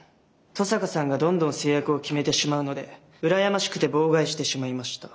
登坂さんがどんどん成約を決めてしまうので羨ましくて妨害してしまいました。